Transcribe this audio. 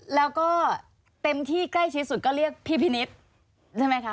แล้วก็เต็มที่ใกล้ชิดสุดก็เรียกพี่พินิษฐ์ใช่ไหมคะ